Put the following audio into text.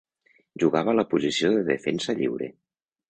Jugava a la posició de defensa lliure.